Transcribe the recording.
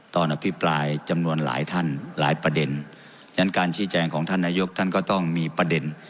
อภิปรายจำนวนหลายท่านหลายประเด็นฉะนั้นการชี้แจงของท่านนายกท่านก็ต้องมีประเด็น